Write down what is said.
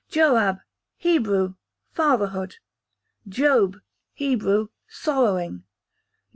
Joab, Hebrew, fatherhood. Job, Hebrew, sorrowing.